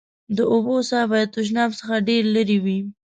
د اوبو څاه باید تشناب څخه ډېر لېري وي.